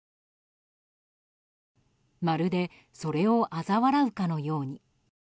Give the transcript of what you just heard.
まるでそれをあざ笑うかのように。